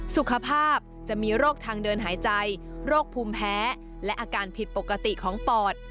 สุขภาพจะมีโรคทางเดินหายใจโรคภูมิแพ้และอาการผิดปกติของปอด